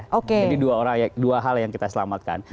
jadi dua hal yang kita selamatkan